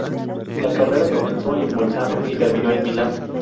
La carrera comenzó en Bolzano y terminó en Milán.